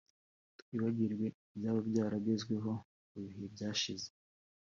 twibagirwe ibyaba byaragezweho mu bihe byashize